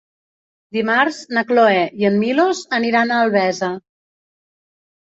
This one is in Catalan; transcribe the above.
Dimarts na Cloè i en Milos aniran a Albesa.